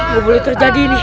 gak boleh terjadi ini